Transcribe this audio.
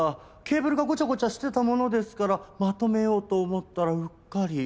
ケーブルがごちゃごちゃしてたものですからまとめようと思ったらうっかり。